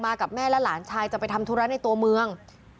กับแม่และหลานชายจะไปทำธุระในตัวเมือง